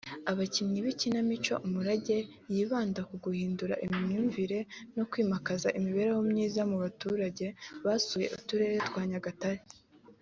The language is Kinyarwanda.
abakinnyi b’ikinamico ‘Umurage’ yibanda ku guhindura imyumvire no kwimakaza imibereho myiza mu baturage basuye uturere twa Nyagatare